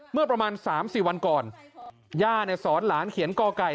เมื่อประมาณ๓๔วันก่อนย่าเนี่ยสอนหลานเขียนก็ก่าย